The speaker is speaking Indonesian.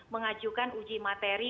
mengajukan uji materi